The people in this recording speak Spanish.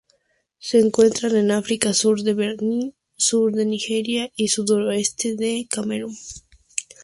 Se encuentran en África: sur de Benín, sur de Nigeria y sudoeste del Camerún.